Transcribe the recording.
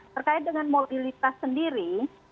terkait dengan mobilitas sendiri